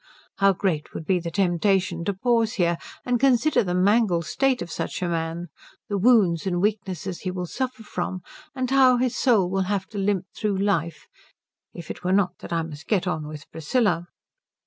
How great would be the temptation to pause here and consider the mangled state of such a man, the wounds and weakness he will suffer from, and how his soul will have to limp through life, if it were not that I must get on with Priscilla.